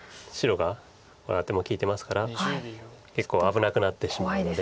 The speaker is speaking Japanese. このアテも利いてますから結構危なくなってしまうので。